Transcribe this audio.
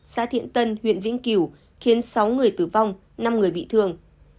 xã thiện tân huyện vĩnh cửu khiến sáu người tử vong năm người bị thương